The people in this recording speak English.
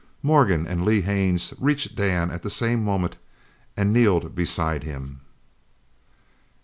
Morgan and Lee Haines reached Dan at the same moment and kneeled beside him.